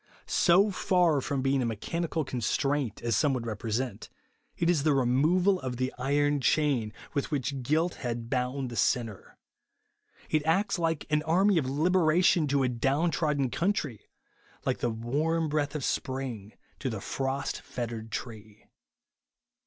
So far from being a mechanical constraint, as some would represent, it is the removal of the iron chain with which guilt had bound the sinner. It acts like an army of liberation to a down trodden country ; like the warm breath of sjDring to the frost fettered tree.